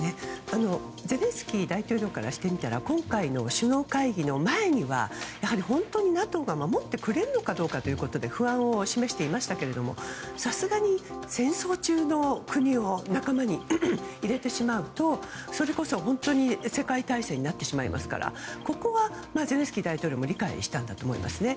ゼレンスキー大統領からしてみたら今回の首脳会議の前には本当にＮＡＴＯが守ってくれるのかどうかということで不安を示していましたがさすがに戦争中の国を仲間に入れてしまうとそれこそ、本当に世界大戦になってしまいますからここはゼレンスキー大統領も理解したんだと思いますね。